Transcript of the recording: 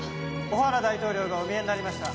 オハラ大統領がお見えになりました。